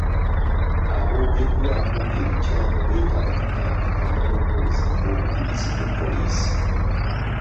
Aboogeddwako ebikyamu beetaaga akatambi k'amaloboozi ng'obujulizi ku poliisi.